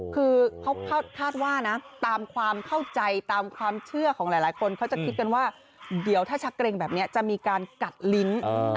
คือเขาคาดว่านะตามความเข้าใจตามความเชื่อของหลายคนเขาจะคิดกันว่าเดี๋ยวถ้าชักเกรงแบบนี้จะมีการกัดลิ้น